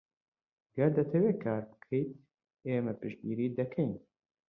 ئەگەر دەتەوێت کار بکەیت، ئێمە پشتگیریت دەکەین.